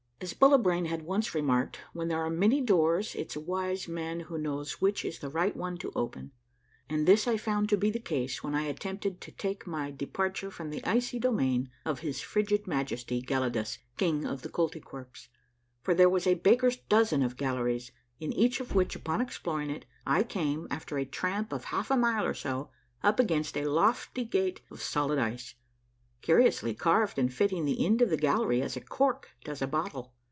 As Bullibrain had once remarked, when there are many doors it's a wise man who knows which is the rigbt one to open ; and this I found to he the case when I attempted to take my de parture from the icy domain of his frigid Majesty, Gelidus, King of the Koltykwerps, for there was a baker's dozen of galleries, in each of which, upon exploring it, I came, after a tramp of half a mile or so, up against a lofty gate of solid ice, curiously carved and fitting the end of the gallery as a cork does a bottle.